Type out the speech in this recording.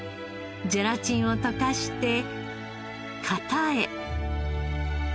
ゼラチンをとかして型へ。